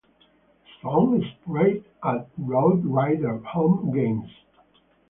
The song is played at Roughrider home games.